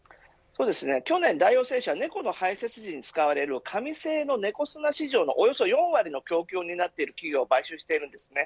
去年、大王製紙は猫の排せつ時に使われる紙製の猫砂市場のおよそ４割の供給をになっている企業を買収しているんです。